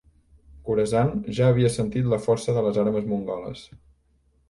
Khorasan ja havia sentit la força de les armes mongoles.